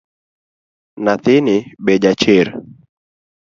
Nyathini be ja chir